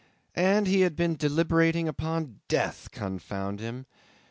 And he had been deliberating upon death confound him!